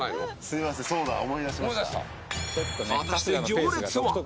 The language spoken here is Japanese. すいませんそうだ思い出しました思い出した？